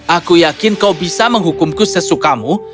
aku yakin kau bisa menghukumku sesukamu